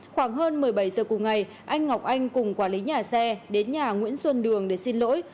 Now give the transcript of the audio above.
khoảng hơn một mươi bảy giờ cùng ngày anh ngọc anh cùng quản lý nhà xe đến nhà nguyễn xuân đường để xin lỗi